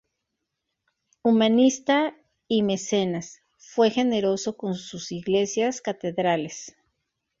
Humanista y mecenas, fue generoso con sus iglesias catedrales.